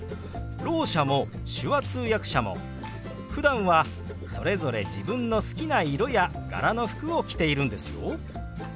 ろう者も手話通訳者もふだんはそれぞれ自分の好きな色や柄の服を着ているんですよ。